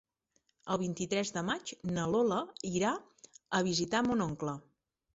El vint-i-tres de maig na Lola irà a visitar mon oncle.